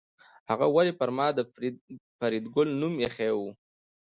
هغه ولې پر ما د فریدګل نوم ایښی و